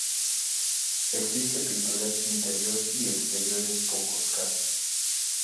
Existe pinturas interior y exterior en pocos casos.